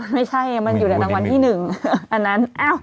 ไม่ใช่มันอยู่ในรางวัลที่๑อันนั้น